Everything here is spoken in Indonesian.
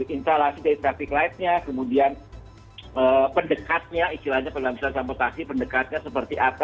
instalasi dari traffic light nya kemudian pendekatnya istilahnya pendekatan seperti apa